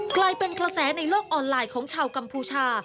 กลายเป็นกระแสในโลกออนไลน์ของชาวกัมพูชา